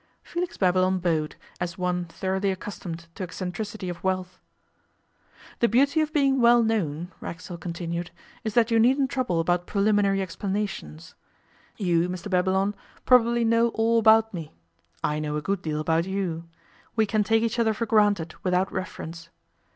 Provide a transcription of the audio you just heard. Felix Babylon bowed, as one thoroughly accustomed to eccentricity of wealth. 'The beauty of being well known,' Racksole continued, 'is that you needn't trouble about preliminary explanations. You, Mr Babylon, probably know all about me. I know a good deal about you. We can take each other for granted without reference.